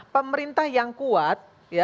pemerintah yang kuat